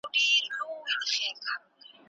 يرموک د حق او عدالت بېلګه وه.